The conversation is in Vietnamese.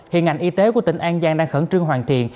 hiện ngành y tế của tỉnh an giang đang khẩn trương hoàn thiện